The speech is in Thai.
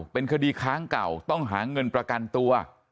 เป็นคดีค้างเก่าต้องหาเงินประกันตัว